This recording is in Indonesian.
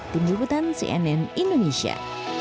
tim jeputan cnn indonesia